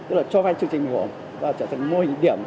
tức là cho vay chương trình bình ổn và trở thành mô hình điểm